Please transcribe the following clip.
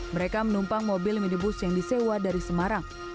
mereka menumpang mobil minibus yang disewa dari semarang